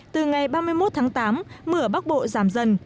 từ ngày ba mươi một tháng tám mưa ở bắc bộ giảm dần